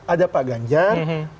ada pak ganjar pak anies